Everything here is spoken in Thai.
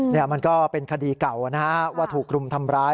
นี่มันก็เป็นคดีเก่านะฮะว่าถูกรุมทำร้าย